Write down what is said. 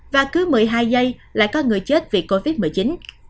và cứ một mươi hai giây lại có một trăm linh ca nhiễm mới